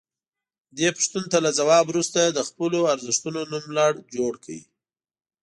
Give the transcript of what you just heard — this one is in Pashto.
دې پوښتنو ته له ځواب وروسته د خپلو ارزښتونو نوملړ جوړ کړئ.